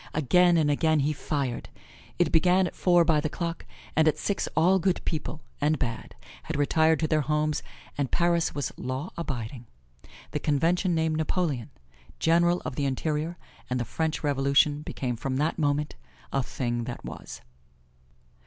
Again and again he fired. It began at four by the clock, and at six all good people, and bad, had retired to their homes, and Paris was law abiding. The Convention named Napoleon, General of the Interior, and the French Revolution became from that moment a thing that was.